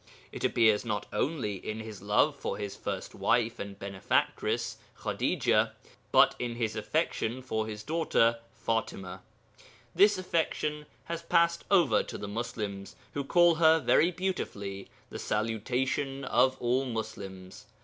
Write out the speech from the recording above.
It appears not only in his love for his first wife and benefactress, Khadijah, but in his affection for his daughter, Fatima. This affection has passed over to the Muslims, who call her very beautifully 'the Salutation of all Muslims.'